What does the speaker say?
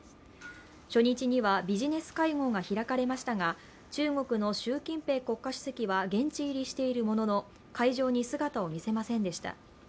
初日にはビジネス会合が開かれましたが中国の習近平国家主席は現地入りしているものの会場に姿を見せませんでした。